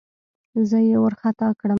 زه يې وارخطا کړم.